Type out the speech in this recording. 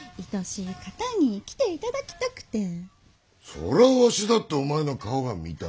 それはわしだってお前の顔が見たい。